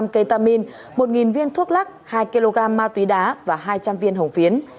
cây tamin một viên thuốc lắc hai kg ma túy đá và hai trăm linh viên hồng phiến